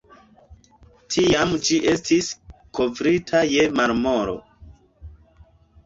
Tiam ĝi estis kovrita je marmoro.